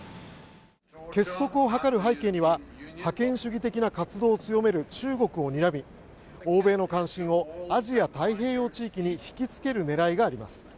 結束を図る背景には覇権主義的な活動を強める中国をにらみ欧米の関心をアジア太平洋地域にひきつける狙いがあります。